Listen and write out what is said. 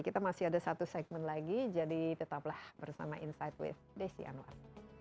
kita masih ada satu segmen lagi jadi tetaplah bersama insight with desi anwar